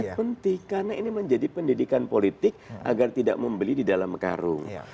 ini penting karena ini menjadi pendidikan politik agar tidak membeli di dalam karung